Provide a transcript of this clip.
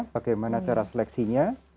bagaimana cara seleksinya